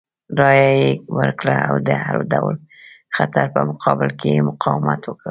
رایه یې ورکړه او د هر ډول خطر په مقابل کې یې مقاومت وکړ.